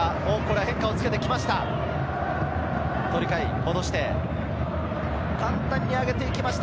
変化をつけてきました。